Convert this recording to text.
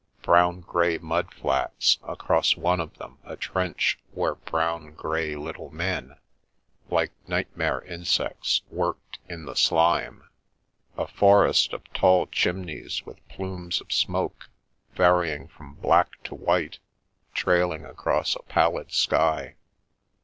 Brown grey mud flats, across one of them a trench where brown grey little men, like The Milky Way nightmare insects, worked in the slime. A forest of tall chimneys with plumes of smoke, varying from black to white, trailing across a pallid sky.